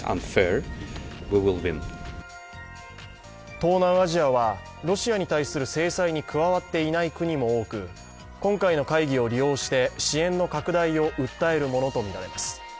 東南アジアはロシアに対する制裁に加わっていない国も多く、今回の会議を利用して支援の拡大を訴えるものとみられます。